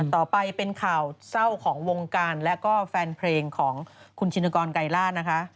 ต่อไปเป็นข่าวเศร้าของวงการและก็แฟนเพลงของคุณชินกรไกรล่านะคะ